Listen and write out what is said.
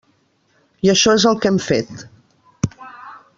I això és el que hem fet.